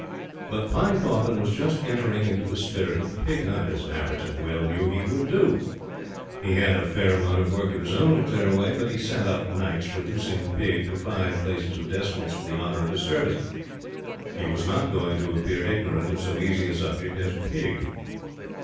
But Pinecoffin was just entering into the spirit of the Pig hunt, as Nafferton well knew he would do. He had a fair amount of work of his own to clear away; but he sat up of nights reducing Pig to five places of decimals for the honor of his Service. He was not going to appear ignorant of so easy a subject as Pig.